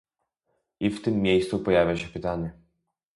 I w tym miejscu pojawia się pytanie